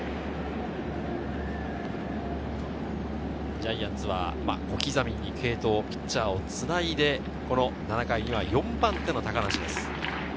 ジャイアンツは小刻みに継投、ピッチャーをつないで、７回には４番手の高梨です。